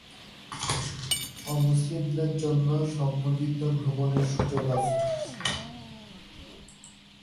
অমুসলিমদের জন্য সম্মিলিত ভ্রমণের সুযোগ আছে।